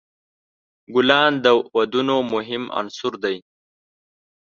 ګلان د ودونو مهم عنصر دی.